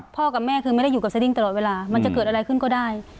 กับแม่คือไม่ได้อยู่กับสดิ้งตลอดเวลามันจะเกิดอะไรขึ้นก็ได้